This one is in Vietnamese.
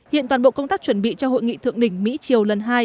hiện toàn bộ công tác chuẩn bị cho hội nghị thượng đỉnh mỹ triều lần hai